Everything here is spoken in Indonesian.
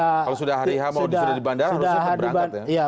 kalau sudah hari hama sudah di bandara